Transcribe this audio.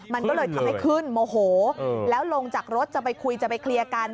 มันก็เลยทำให้ขึ้นโมโหแล้วลงจากรถจะไปคุยจะไปเคลียร์กัน